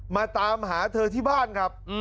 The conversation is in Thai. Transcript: มาตามหาเธอที่บ้านครับ